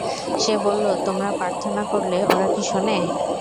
সে বলল, তোমরা প্রার্থনা করলে ওরা কি শোনে?